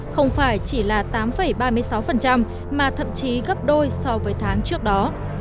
không phải chỉ là tám ba mươi sáu mà thậm chí gấp đôi so với tháng trước đó